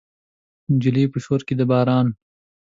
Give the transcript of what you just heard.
نجلۍ په شور کې د باران